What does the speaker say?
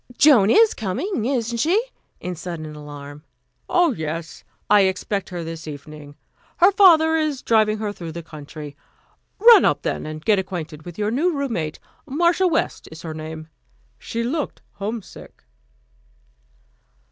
Joan is coming, isn't she?" in sudden alarm. "Oh, yes, I expect her this evening. Her father is driving her through the country. Run up, then, and get acquainted with your new roommate. Marcia West, is her name. She looked homesick."